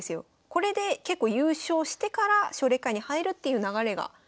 これで結構優勝してから奨励会に入るっていう流れが当時多かったです。